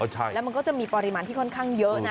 ใช่แล้วมันก็จะมีปริมาณที่ค่อนข้างเยอะนะ